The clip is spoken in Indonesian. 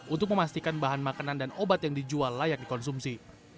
untuk memastikan bahan makanan dan obat yang dijual layak dikonsumsi